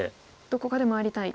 どこかで回りたい。